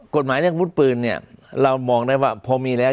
กฎหมายเรียกวุธปือนี้เรามองได้ว่าพอมีแล้ว